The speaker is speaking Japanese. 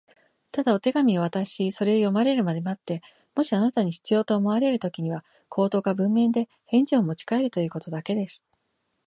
「ただ手紙をお渡しし、それを読まれるまで待って、もしあなたに必要と思われるときには、口頭か文面で返事をもちかえるということだけです」